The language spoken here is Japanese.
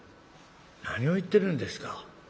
何を言ってるんですか。